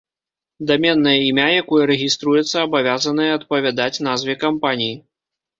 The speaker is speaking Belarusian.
Даменнае імя, якое рэгіструецца, абавязанае адпавядаць назве кампаніі.